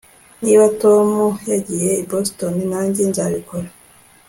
Niba Tom yagiye i Boston nanjye nzabikora